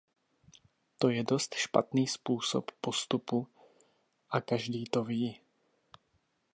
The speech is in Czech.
To je dost špatný způsob postupu, a každý to ví.